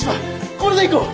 これでいこう！